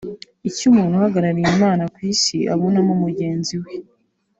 icyo umuntu uhagarariye Imana ku Isi abonamo mugenzi we